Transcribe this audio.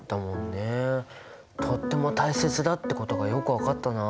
とっても大切だってことがよく分かったな。